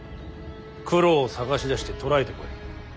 九郎を捜し出して捕らえてこい。